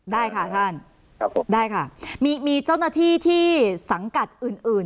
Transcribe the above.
ได้ค่ะท่านครับผมได้ค่ะมีมีเจ้าหน้าที่ที่สังกัดอื่นอื่น